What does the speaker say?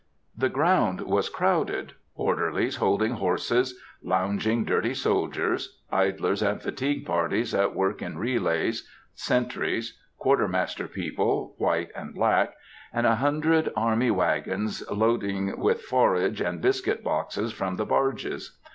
The ground was crowded;—orderlies holding horses; lounging, dirty soldiers; idlers and fatigue parties at work in relays; sentries; Quartermaster's people, white and black; and a hundred army wagons loading with forage and biscuit boxes from the barges.